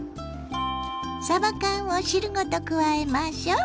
さば缶を汁ごと加えましょう。